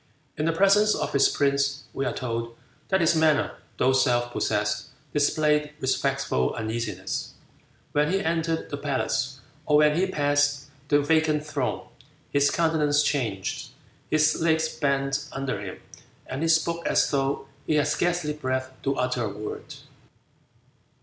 In the presence of his prince we are told that his manner, though self possessed, displayed respectful uneasiness. When he entered the palace, or when he passed the vacant throne, his countenance changed, his legs bent under him, and he spoke as though he had scarcely breath to utter a word.